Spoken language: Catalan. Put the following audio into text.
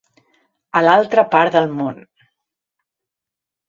A l'altra part de món.